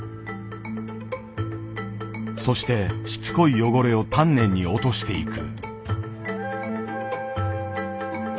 そしてしつこい汚れを丹念に落としていく。